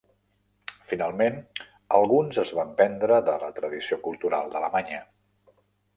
Finalment, alguns es van prendre de la tradició cultural d'Alemanya.